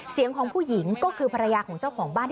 เสียงของผู้หญิงก็คือภรรยาของเจ้าของบ้าน